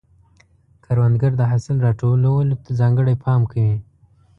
کروندګر د حاصل راټولولو ته ځانګړی پام کوي